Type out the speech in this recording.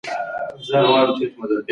برانډونه سره ګډېږي.